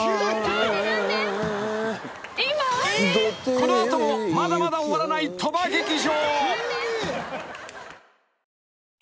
［この後もまだまだ終わらない鳥羽劇場］